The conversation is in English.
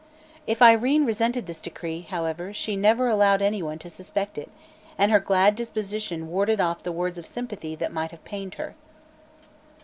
If Irene resented this decree, she never allowed anyone to suspect it, and her glad disposition warded off the words of sympathy that might have pained her.